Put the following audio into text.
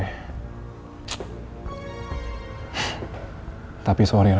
tak habis yang terjadi saya omses fight nya